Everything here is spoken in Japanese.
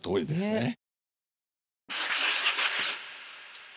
ねえ。